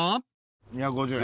２５０円。